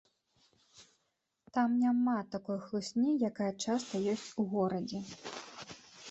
Там няма такой хлусні, якая часта ёсць у горадзе.